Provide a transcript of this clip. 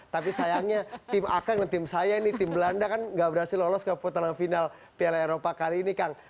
tapi sayangnya tim akan tim saya ini tim belanda kan gak berhasil lolos ke putaran final piala eropa kali ini kang